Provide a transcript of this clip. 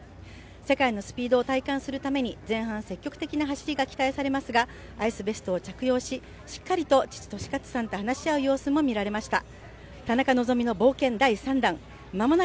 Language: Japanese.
世界のスピードを体感するために前半積極的な走りが期待されますがアイスベストを着用ししっかりと父・健智さんと話し合う様子が見られました。